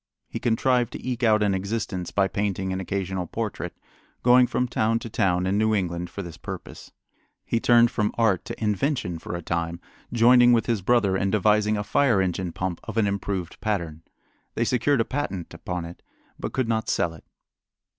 He contrived to eke out an existence by painting an occasional portrait, going from town to town in New England for this purpose. He turned from art to invention for a time, joining with his brother in devising a fire engine pump of an improved pattern. They secured a patent upon it, but could not sell it.